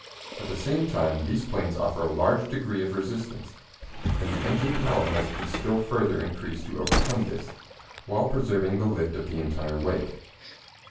At the same time these planes offer a large degree of resistance, and the engine power must be still further increased to overcome this, while preserving the lift of the entire weight.